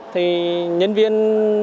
thì nhân viên